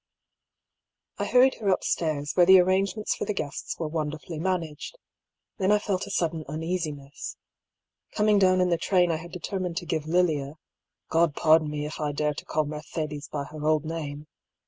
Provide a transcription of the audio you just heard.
I hurried her upstairs, where the arrangements for the guests were wonderfully managed. Then I felt a sudden uneasiness. Coming down in the train I had determined to give Lilia — God pardon me if I dare to call Mercedes by her old name !